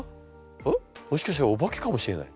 えっもしかしたらおばけかもしれない。